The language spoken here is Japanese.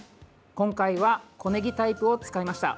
今回は小ねぎタイプを使いました。